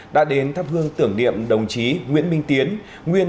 đã đến thắp hương tưởng niệm đồng chí nguyễn minh tiến nguyên